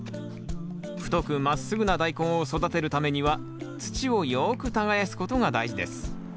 太くまっすぐなダイコンを育てるためには土をよく耕すことが大事です。